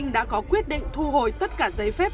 đã có quyết định thu hồi tất cả giấy phép